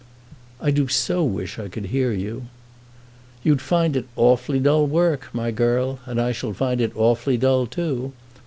"I do so wish I could hear you." "You'd find it awfully dull work, my girl. And I shall find it awfully dull too.